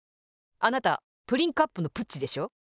あなたプリンカップのプッチでしょ？